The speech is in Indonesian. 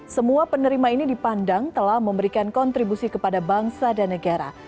semua penerima ini dipandang telah memberikan kontribusi kepada bangsa dan negara